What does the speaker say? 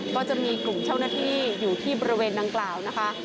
ก็จะมีกลุ่มเจ้าหน้าที่อยู่ที่บริเวณดังกล่าวนะคะ